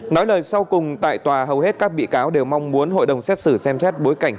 nói lời sau cùng tại tòa hầu hết các bị cáo đều mong muốn hội đồng xét xử xem xét bối cảnh